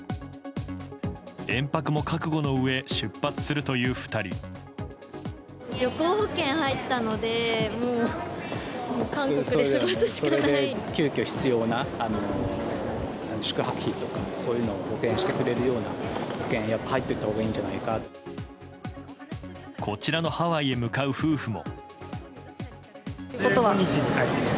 延泊も覚悟のうえ出発するという２人こちらのハワイへ向かう夫婦も。